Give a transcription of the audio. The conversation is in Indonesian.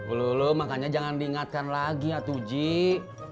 ulu ulu makanya jangan diingatkan lagi ya tuh dik